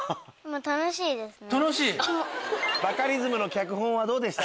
楽しいですね。